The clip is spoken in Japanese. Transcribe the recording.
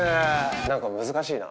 何か難しいな。